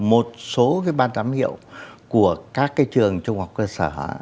một số cái ban giám hiệu của các cái trường trung học cơ sở